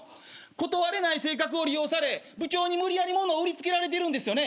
断れない性格を利用され部長に無理やり物を売りつけられてるんですよね。